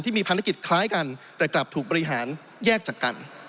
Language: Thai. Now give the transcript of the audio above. มีภารกิจคล้ายกันแต่กลับถูกบริหารแยกจากกัน